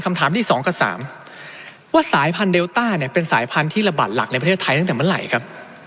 คำถามที่๒กับ๓ว่าสายพันธุเดลต้าเนี่ยเป็นสายพันธุ์ที่ระบาดหลักในประเทศไทยตั้งแต่เมื่อไหร่ครับ